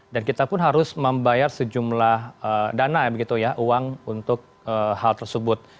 kita pun harus membayar sejumlah dana begitu ya uang untuk hal tersebut